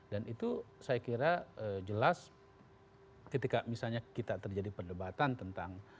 dan itu saya kira jelas ketika misalnya kita terjadi perdebatan tentang